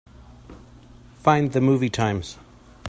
Find the movie times.